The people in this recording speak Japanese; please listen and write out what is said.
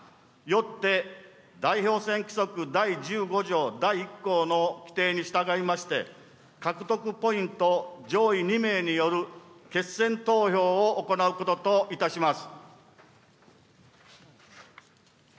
よって代表選規則第１５条第１項の規定に従いまして、獲得ポイント上位２名による決選投票を行うことといたします。